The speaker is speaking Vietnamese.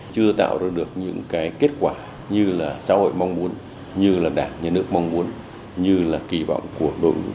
chưa tạo ra được những cái kết quả như là xã hội mong muốn như là đảng nhà nước mong muốn như là kỳ vọng của đội trí thức trong cả nước